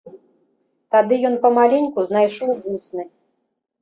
Тады ён памаленьку знайшоў вусны.